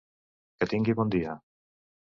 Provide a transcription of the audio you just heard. Que tingui bon dia!